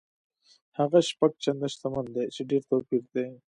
هغه شپږ چنده شتمن دی چې ډېر توپیر دی.